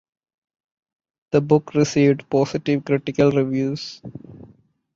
The book received positive critical reviews.